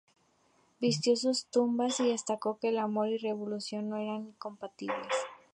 Visitó sus tumbas y destacó que el amor y la revolución no eran incompatibles.